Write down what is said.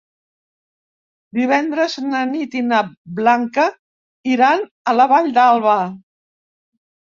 Divendres na Nit i na Blanca iran a la Vall d'Alba.